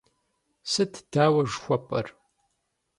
Сыт дауэ жыхуэпӏэр?